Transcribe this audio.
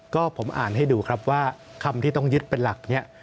ก็ผมอ่านให้ดูครับว่าคำที่ต้องยึดเป็นหลักเนี่ย